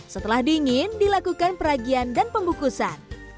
setelah dingin dilakukan peragian dan pembukusan